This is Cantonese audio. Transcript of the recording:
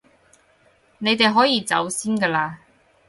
你哋可以走先㗎喇